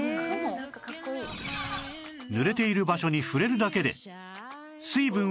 濡れている場所に触れるだけで